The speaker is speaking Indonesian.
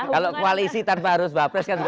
kalau koalisi tanpa harus wapres kan